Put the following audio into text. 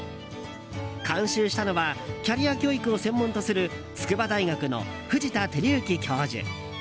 監修したのはキャリア教育を専門とする筑波大学の藤田晃之教授。